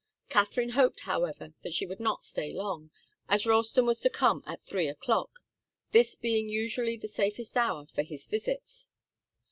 Katharine hoped, however, that she would not stay long, as Ralston was to come at three o'clock, this being usually the safest hour for his visits.